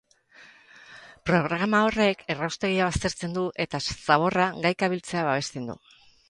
Programa horrek erraustegia baztertzen du eta zaborra gaika biltzea babesten du.